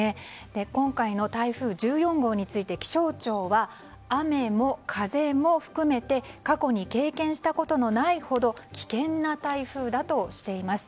今回の台風１４号について気象庁は雨も風も含めて過去に経験したことのないほど危険な台風だとしています。